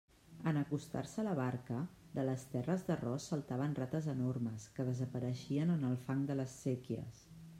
En acostar-se la barca, de les terres d'arròs saltaven rates enormes, que desapareixien en el fang de les séquies.